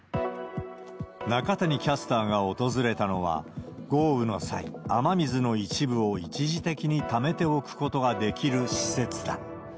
中谷キャスターが訪れたのは、豪雨の際、雨水の一部を一時的にためておくことができる施設だ。